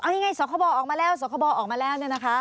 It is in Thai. อันนี้ไงสครบอลออกมาแล้วสครบอลออกมาแล้ว